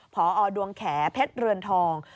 พอดวงแขเพชรเรือนทอง